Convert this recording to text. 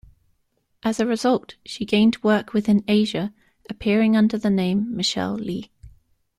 As a result, she gained work within Asia, appearing under the name "Michelle Lee".